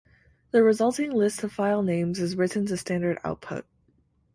The resulting list of file names is written to standard output.